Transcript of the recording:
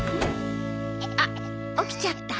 あっ起きちゃった？